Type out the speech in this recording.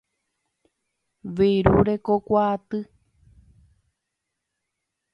Virurekokuaaty.